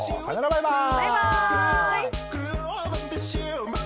バイバーイ！